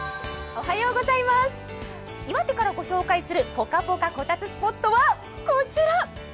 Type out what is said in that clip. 岩手からご紹介するポカポカこたつスポットはこちら！